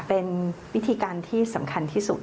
เป็นวิธีการที่สำคัญที่สุด